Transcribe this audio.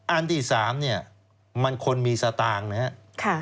อันที่๓เนี่ยมันคนมีสตางค์นะครับ